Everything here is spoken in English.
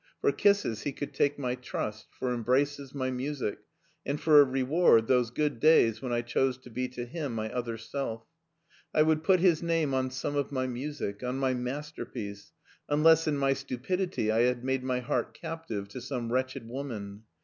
For kisses he could take my trust, for embraces my music, and for a reward those good days when I chose to be to him my other self. I would put his name on some of my music— on my masterpiece — ^unless in my stu pidity I had made my heart captive to some wretched woman.